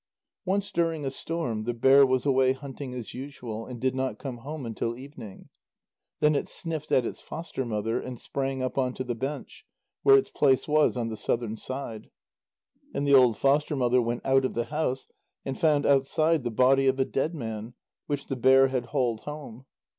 Once during a storm the bear was away hunting as usual, and did not come home until evening. Then it sniffed at its foster mother and sprang up on to the bench, where its place was on the southern side. Then the old foster mother went out of the house, and found outside the body of a dead man, which the bear had hauled home.